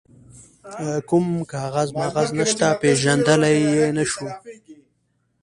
کوم کاغذ ماغذ نشته، پيژندلای يې نه شو.